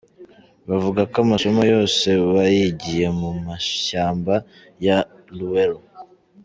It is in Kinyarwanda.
Bavuga ko amasomo yose bayigiye mu mashyamba ya Luweero.